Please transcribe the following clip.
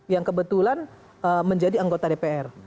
yang kebetulan menjadi anggota dpr